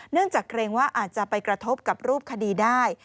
จากเกรงว่าอาจจะไปกระทบกับรูปคดีได้